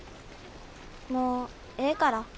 もうええから。